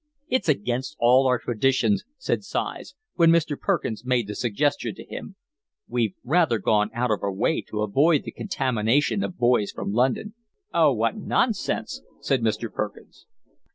"It's against all our traditions," said Sighs, when Mr. Perkins made the suggestion to him. "We've rather gone out of our way to avoid the contamination of boys from London." "Oh, what nonsense!" said Mr. Perkins.